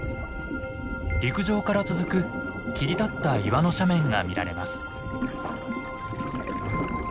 陸上から続く切り立った岩の斜面が見られます。